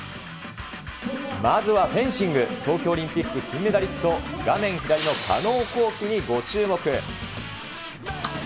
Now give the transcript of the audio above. まずはフェンシング、東京オリンピック金メダリスト、画面左の加納虹輝にご注目。